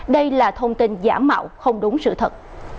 đây là thông tin giả mạo không đúng sự thật